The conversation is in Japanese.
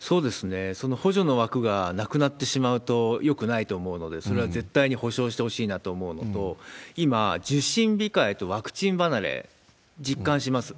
その補助の枠がなくなってしまうとよくないと思うので、それは絶対に補償してほしいなと思うのと、今、受診控えとワクチン離れ、実感します。